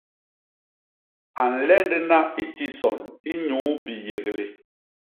A nlendna i tison inyuu biyéglé.